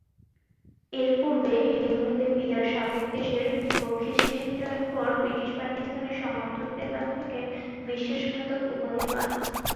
এরপূর্বে হেডিংলিতে পিতার সাবেক দেশের বিপক্ষে সিরিজ জয়ের পর ব্রিটিশ পাকিস্তানি সমর্থকদের কাছ থেকে বিশ্বাসঘাতক উপাধি পান।